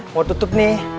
mau tutup nih